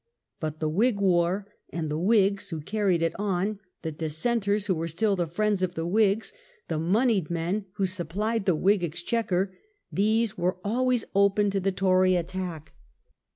But the Whig war and the Whigs who carried it on; the Dissenters who were still the friends of the Whigs; the " mpnied men " who supplied the Whig exchequer — these were always open to the Tory attack.